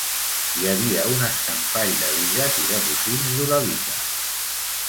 Hi havia un escampall de bigues i de bocins d'uralita